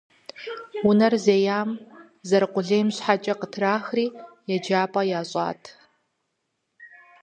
Унэр зеям, зэрыкъулейм щхьэкӏэ, къытрахри еджапӏэ ящӏат.